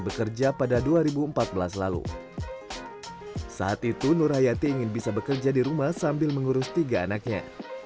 bekerja pada dua ribu empat belas lalu saat itu nur hayati ingin bisa bekerja di rumah sambil mengurus tiga anaknya